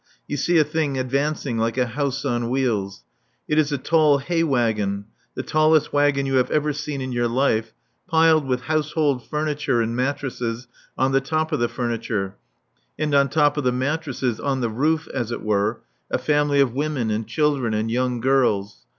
You see a thing advancing like a house on wheels. It is a tall hay wagon the tallest wagon you have ever seen in your life piled with household furniture and mattresses on the top of the furniture, and on top of the mattresses, on the roof, as it were, a family of women and children and young girls.